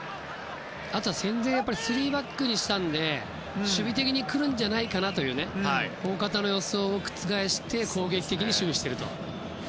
あとは戦前３バックにしたので守備的に来るんじゃないかなという大方の予想を覆して攻撃的に守備をしていると。